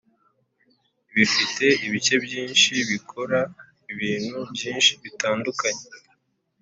bifite ibice byinshi bikora ibintu byinshi bitandukanye.